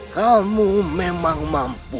kamu memang mampu